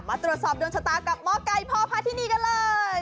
มาตรวจสอบดวงชะตากับหมอไก่พ่อพาทินีกันเลย